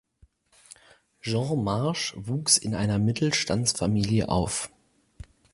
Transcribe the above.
Jean Marsh wuchs in einer Mittelstandsfamilie auf.